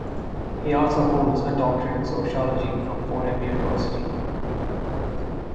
He also holds a doctorate in Sociology from Fordham University.